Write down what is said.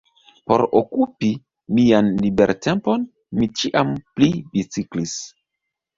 Por okupi mian libertempon, mi ĉiam pli biciklis.